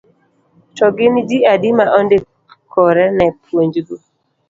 To gin ji adi ma ondikore ne puonjgo.